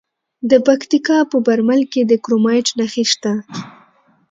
د پکتیکا په برمل کې د کرومایټ نښې شته.